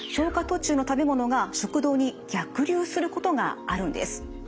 途中の食べ物が食道に逆流することがあるんです。